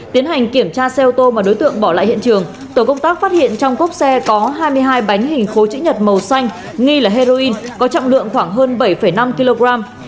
tiến hành kiểm tra xe ô tô mà đối tượng bỏ lại hiện trường tổ công tác phát hiện trong cốp xe có hai mươi hai bánh hình khối chữ nhật màu xanh nghi là heroin có trọng lượng khoảng hơn bảy năm kg